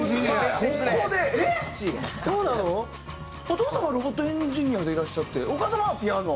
お父様はロボットエンジニアでいらっしゃってお母様はピアノ。